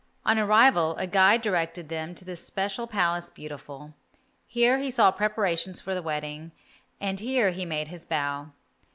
On arrival, a guide directed them to the special Palace Beautiful. Here he saw preparations for the wedding, and here he made his bow.